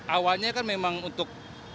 awalnya kan memang untuk